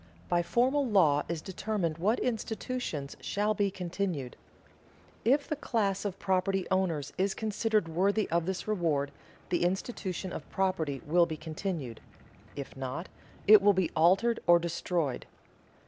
By formal law is determined what institutions shall be continued. If the class of property owners is considered worthy of this reward, the institution of property will be continued; if not, it will be altered or destroyed.